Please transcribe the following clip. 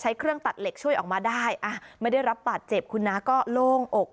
เครื่องตัดเหล็กช่วยออกมาได้อ่ะไม่ได้รับบาดเจ็บคุณน้าก็โล่งอก